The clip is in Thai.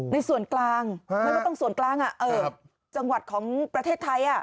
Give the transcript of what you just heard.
ในส่วนกลางไม่ว่าต้องส่วนกลางจังหวัดของประเทศไทย